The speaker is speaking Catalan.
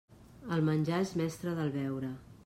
El menjar és mestre del beure.